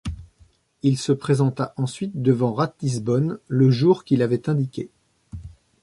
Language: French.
Il se présenta ensuite devant Ratisbonne le jour qu'il avait indiqué.